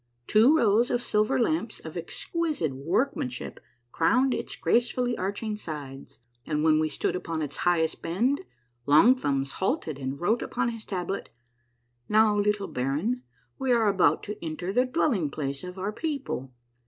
Two rows of silver lamps of exquisite workmanship crowned its gracefully arching sides, and when we stood upon its highest bend, Long Thumbs halted and wrote upon his tablet : "Now, little baron, we are about to enter the dwelling place of our people.